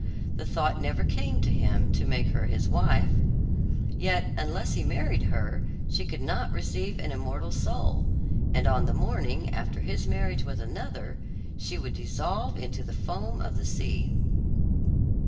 The thought never came to him to make her his wife. Yet unless he married her, she could not receive an immortal soul, and on the morning after his marriage with another, she would dissolve into the foam of the sea.